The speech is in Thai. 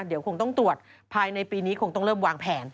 เดี๋ยวคงต้องตรวจภายในปีนี้คงต้องเริ่มวางแผน